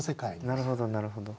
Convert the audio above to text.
なるほどなるほど。